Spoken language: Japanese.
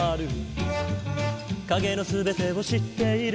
「影の全てを知っている」